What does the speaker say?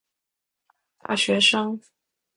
大学生